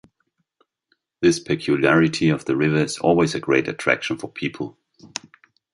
This peculiarity of the river is always a great attraction for people.